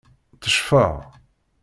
Ttecfeɣ.